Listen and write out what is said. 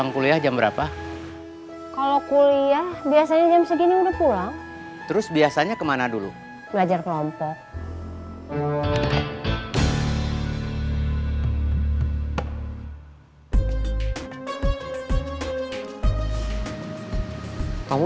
kamu nyender ke aku